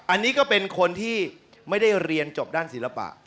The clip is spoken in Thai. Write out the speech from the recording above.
อันนี้ก็เป็นคนที่ไม่ได้เรียนจบด้านศิลปะ